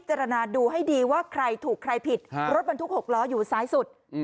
พิจารณาดูให้ดีว่าใครถูกใครผิดค่ะรถมันคลุกหกล้ออยู่ซ้ายสุด